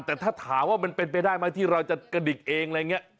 อ้าแต่ถ้าถามว่ามันเป็นไปได้มั้ยที่เราจะกระดิกเองไรเงี้ย